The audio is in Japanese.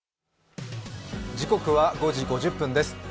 時刻は５時５０分です。